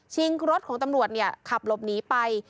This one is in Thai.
รถของตำรวจขับหลบหนีไป